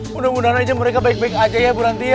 mudah mudahan aja mereka baik baik aja ya bu nanti ya